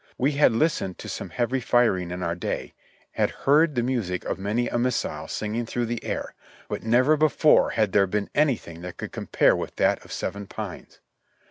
\Ye had listened to some heavy firing in our day, had heard the music of many a missile singing through the air, but never before had there been anything that could compare with that of Seven Pines.